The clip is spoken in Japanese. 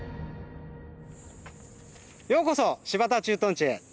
ようこそ新発田駐屯地へ。